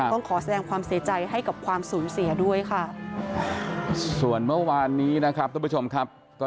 ต้องขอแสดงความเสียใจให้กับความสูญเสียด้วยค่ะ